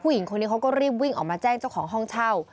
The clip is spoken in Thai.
หญิงคนนี้เขาก็รีบวิ่งออกมาแจ้งเจ้าของห้องเช่า